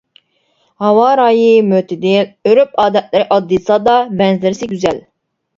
ھاۋا رايى مۆتىدىل، ئۆرپ-ئادەتلىرى ئاددىي-ساددا، مەنزىرىسى گۈزەل.